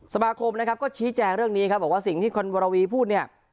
สมาคมนะครับก็ชี้แจงเรื่องนี้ครับบอกว่าสิ่งที่คุณวรวีพูดเนี่ย